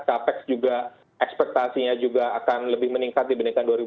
capex juga ekspektasinya juga akan lebih meningkat dibandingkan dua ribu dua puluh